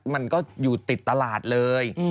มันก็อยู่ติดตลาดเลย